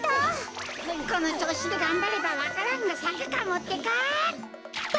このちょうしでがんばればわか蘭がさくかもってか！